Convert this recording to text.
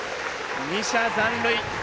２者残塁。